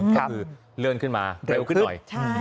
ก็คือเลื่อนขึ้นมาเร็วขึ้นหน่อย